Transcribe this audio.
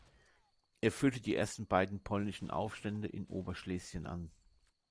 Er führte die ersten beiden polnischen Aufstände in Oberschlesien an.